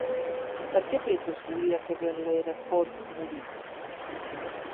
Per què Pretos volia que Bel·lerofont morís?